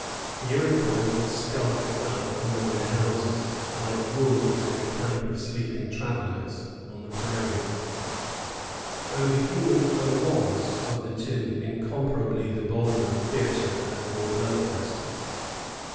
The Iroquois would skulk at night among the houses, like wolves in a camp of sleeping travellers on the prairies; though the human foe was, of the two, incomparably the bolder, fiercer, and more bloodthirsty.